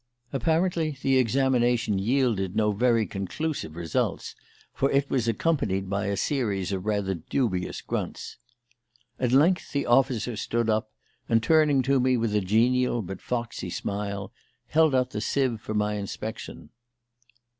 Apparently the examination yielded no very conclusive results, for it was accompanied by a series of rather dubious grunts. At length the officer stood up, and turning to me with a genial but foxy smile, held out the sieve for my inspection.